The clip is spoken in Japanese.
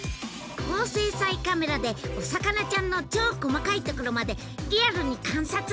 高精細カメラでお魚ちゃんの超細かい所までリアルに観察！